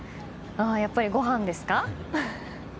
やっぱり、ごはんですか？